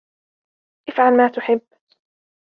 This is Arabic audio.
افعل ما تحب.